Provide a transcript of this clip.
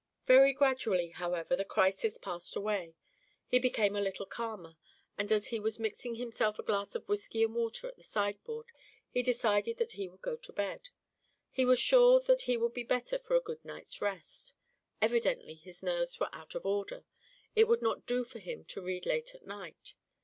Very gradually, however, the crisis passed away. He became a little calmer, and as he was mixing himself a glass of whisky and water at the sideboard he decided that he would go to bed. He was sure that he would be better for a good night's rest; evidently his nerves were out of order; it would not do for him to read late at night.